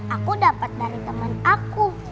aku dapat dari teman aku